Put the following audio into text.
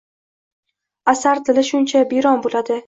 asar tili shuncha biyron bo’ladi.